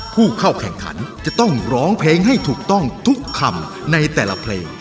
ผู้เข้าแข่งขันจะต้องร้องเพลงให้ถูกต้องทุกคำในแต่ละเพลง